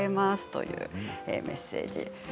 というメッセージです。